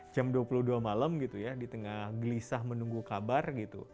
jam dua puluh dua malam di tengah gelisah menunggu kabar